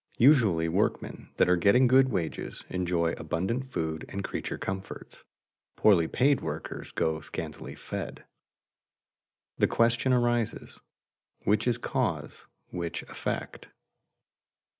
_ Usually workmen that are getting good wages enjoy abundant food and creature comforts; poorly paid workers go scantily fed. The question arises: which is cause, which effect?